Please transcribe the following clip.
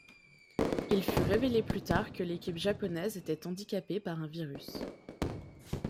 Il fut révélé plus tard que l'équipe japonaise était handicapée par un virus.